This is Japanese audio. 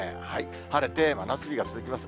晴れて真夏日が続きます。